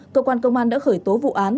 cơ quan công an đã khởi tố vụ án